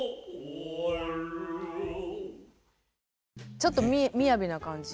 ちょっとみやびな感じ。